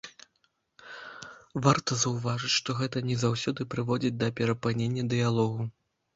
Варта заўважыць, што гэта не заўсёды прыводзіць да перапынення дыялогу.